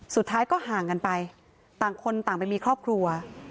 สุดท้ายก็ห่างกันไปต่างคนต่างไปมีครอบครัว